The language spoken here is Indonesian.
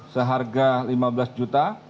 seharga lima belas juta